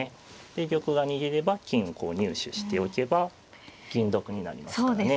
で玉が逃げれば金をこう入手しておけば銀得になりますからね。